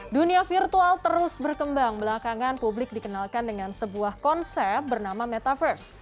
dunia virtual terus berkembang belakangan publik dikenalkan dengan sebuah konsep bernama metaverse